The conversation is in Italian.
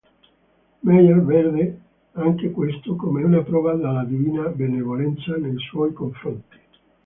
Meyer vede anche questo come una prova della divina benevolenza nei suoi confronti.